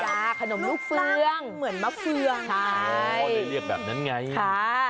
ค่ะขนมลูกเฟื้องเหมือนมะเฟืองใช่โอ้โหพ่อจะเรียกแบบนั้นไงค่ะ